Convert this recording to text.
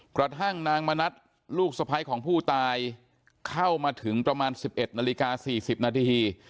กระทั่งนางมณัฐลูกสะพ้ายของผู้ตายเข้ามาถึงประมาณ๑๑นาฬิกา๔๐นาที